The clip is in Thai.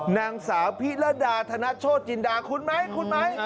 นางสาวพิรดาธนโชธจินดาคุณไหมคุณไหม